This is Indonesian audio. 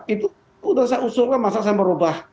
itu sudah saya usulkan masa saya merubah